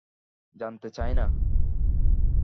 জানতে চাই না।